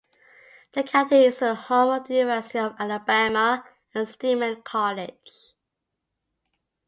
The county is the home of the University of Alabama and Stillman College.